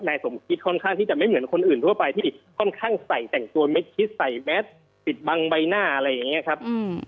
สมคิดค่อนข้างที่จะไม่เหมือนคนอื่นทั่วไปที่ค่อนข้างใส่แต่งตัวเม็ดชิดใส่แมสปิดบังใบหน้าอะไรอย่างนี้ครับ